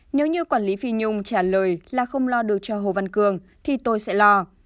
nếu như quản lý phi nhung trả lời là không lo được cho hồ văn cường thì tôi sẽ lo